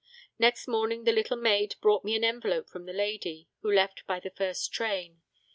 Next morning the little maid brought me an envelope from the lady, who left by the first train.